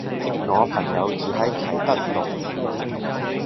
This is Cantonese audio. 我朋友住喺啟德龍譽